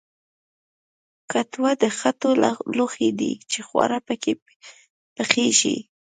کټوه د خټو لوښی دی چې خواړه پکې پخیږي